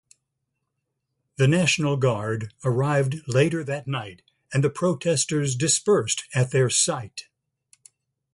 The National Guard arrived later that night and the protesters dispersed at their sight.